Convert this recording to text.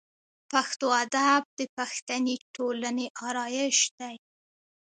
پښتو ادب د پښتني ټولنې آرایش دی.